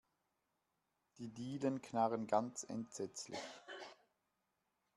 Die Dielen knarren ganz entsetzlich.